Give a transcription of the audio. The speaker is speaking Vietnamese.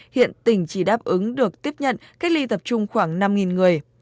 hiện tỉnh chỉ đáp ứng được tiếp nhận cách ly tập trung khoảng năm người